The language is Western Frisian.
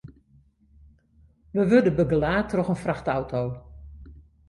We wurde begelaat troch in frachtauto.